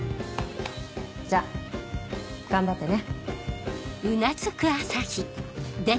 じゃ頑張ってね。